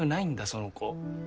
その子。